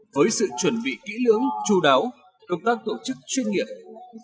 với sự chuẩn bị kỹ lưỡng chu đáo cộng tác tổ chức chuyên nghiệp